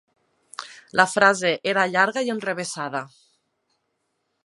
La frase era llarga i enrevessada.